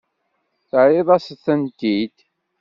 Terriḍ-as-tent-id.